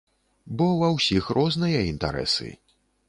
Бо ва ўсіх розныя інтарэсы.